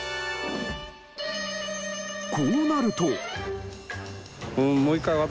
こうなると。